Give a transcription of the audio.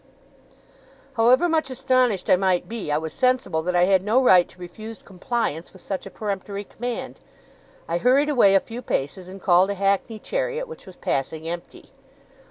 However much astonished I might be, I was sensible that I had no right to refuse compliance with such a peremptory command. I hurried away a few paces, and called a hackney chariot which was passing empty.